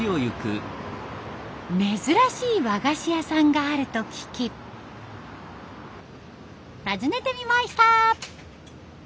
珍しい和菓子屋さんがあると聞き訪ねてみました。